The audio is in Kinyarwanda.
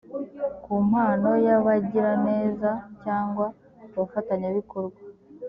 ku mpano y abagiraneza cyangwa abafatanyabikorwa